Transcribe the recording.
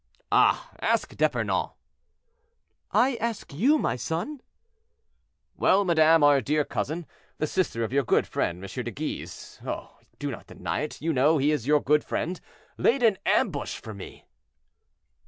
"Ah! ask D'Epernon." "I ask you, my son." "Well, madame, our dear cousin, the sister of your good friend M. de Guise—oh! do not deny it; you, know he is your good friend—laid an ambush for me."